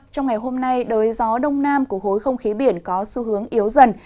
trong ngày hôm nay đới gió đông nam của khối không khí biển có xu hướng yếu dần